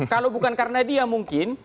kalau bukan karena dia mungkin